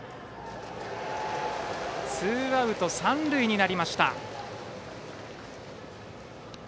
ツーアウト、三塁になりました。